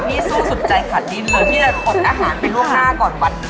พี่สู้สุดใจขาดดินเลยอดอาหารเป็นล่วงหน้าก่อนวัน